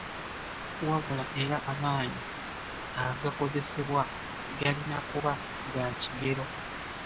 Wabula era amaanyi agakozesebwa galina kuba gakigero.